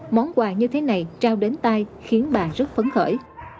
món quà như thế này trao đến tay khiến bà rất phấn khởi